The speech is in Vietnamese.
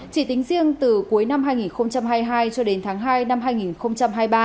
chỉ tính riêng từ cuối năm hai nghìn hai mươi hai cho đến tháng hai năm hai nghìn hai mươi ba